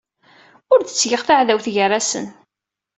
Ur d-ttgeɣ taɛdawt gar-asen.